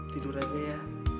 tidur aja ya